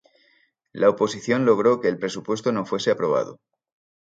La oposición logró que el presupuesto no fuese aprobado.